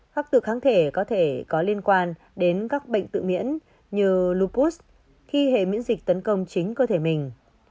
các tự kháng thể có thể có liên quan đến các bệnh tự miễn như lupus khi hệ miễn dịch tấn công chính cơ thể mình